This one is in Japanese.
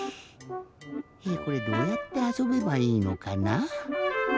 これどうやってあそべばいいのかな？